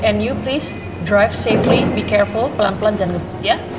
and you please drive safely be careful pelan pelan jangan gemuk ya